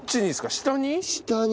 下に。